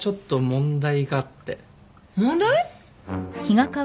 問題？